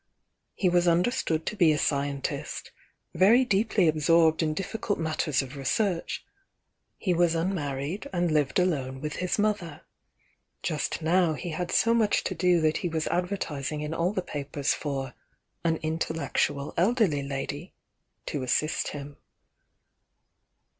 He was understood to be a scientist, very deeply absorbed in difficult matters of research, — he was unmarried and lived alone with his mother. Just now he had so much to do that he was adver tising in all the papers for "an intellectual elderly lady" to assist him.